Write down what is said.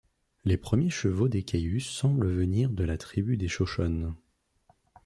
Les premiers chevaux des Cayuse semblent venir de la tribu des Shoshones.